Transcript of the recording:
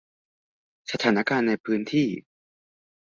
สถานการณ์ในพื้นที่